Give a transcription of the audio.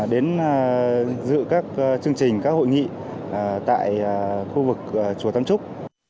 đến dự các chương trình các hội nghị tại khu vực chùa tam trúc